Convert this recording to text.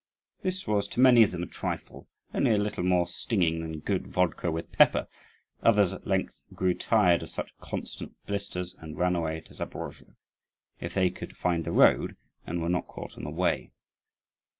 This was to many of them a trifle, only a little more stinging than good vodka with pepper: others at length grew tired of such constant blisters, and ran away to Zaporozhe if they could find the road and were not caught on the way.